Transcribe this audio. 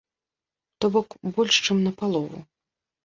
То бок, больш чым на палову.